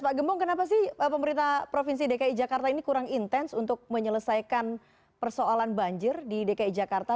pak gembong kenapa sih pemerintah provinsi dki jakarta ini kurang intens untuk menyelesaikan persoalan banjir di dki jakarta